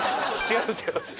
違います